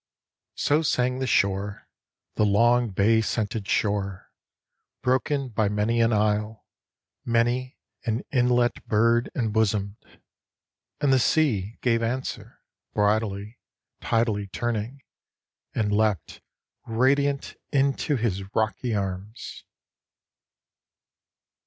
_ So sang the shore, the long bay scented shore, Broken by many an isle, many an inlet bird embosomed, And the sea gave answer, bridally, tidally turning, And leapt, radiant, into his rocky arms!